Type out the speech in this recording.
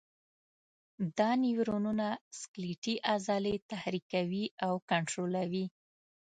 دا نیورونونه سکلیټي عضلې تحریکوي او کنټرولوي.